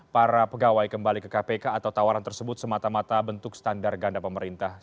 para pegawai kembali ke kpk atau tawaran tersebut semata mata bentuk standar ganda pemerintah